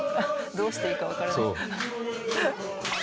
どうしていいかわからない。